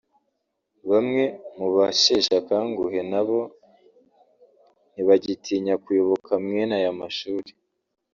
bamwe mu basheshe akanguhe nabo ntibagitinya kuyoboka mwene aya mashuri